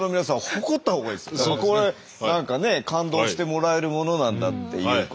これ何かね感動してもらえるものなんだっていうか。